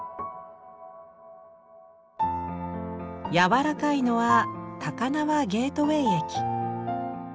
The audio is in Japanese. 「やわらかい」のは高輪ゲートウェイ駅。